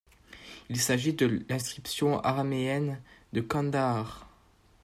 Il s'agit de l'Inscription araméenne de Kandahar.